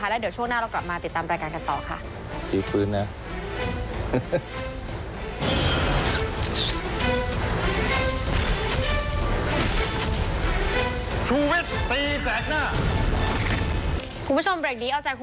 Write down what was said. เดี๋ยวเราพักกันพรุ่งนึงก่อนค่ะ